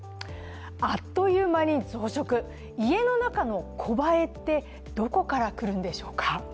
あっという間に増殖、家の中のコバエってどこから来るんでしょうか？